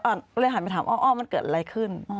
ก็เลยหันไปถามอ้อมันเกิดอะไรขึ้น